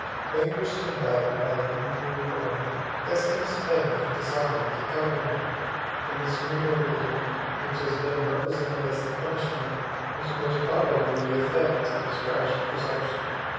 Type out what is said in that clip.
Vanquished in battle by an inferior army, Castinus fled with dishonor to Tarragona; and this memorable defeat, which has been represented as the punishment, was most probably the effect, of his rash presumption.